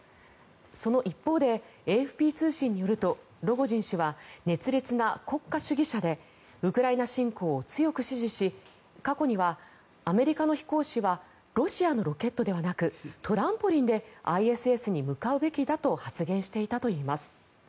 その一方でＡＦＰ通信によるとロゴジン氏は熱烈な国家主義者でウクライナ侵攻を強く支持し過去にはアメリカの飛行士はロシアのロケットではなくトランポリンでＩＳＳに向かうべきだと発言していたといいます。